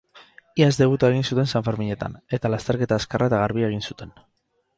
Iaz debuta egin zuten sanferminetan, eta lasterketa azkarra eta garbia egin zuten.